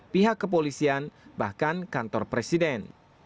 pihak kepolisian bahkan kantor presiden